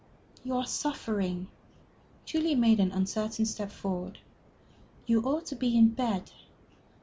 "You are suffering." Julie made an uncertain step forward. "You ought to be in bed."